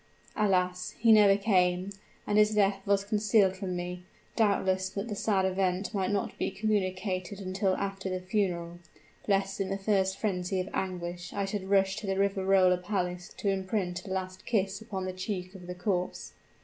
Alas! he never came; and his death was concealed from me, doubtless that the sad event might not be communicated until after the funeral, lest in the first frenzy of anguish I should rush to the Riverola palace to imprint a last kiss upon the cheek of the corpse.